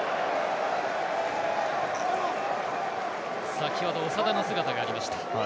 先ほど、長田の姿がありました。